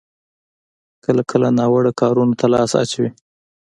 کله کله ناوړه کارونو ته لاس اچوي.